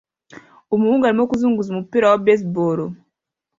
Umuhungu arimo kuzunguza umupira wa baseball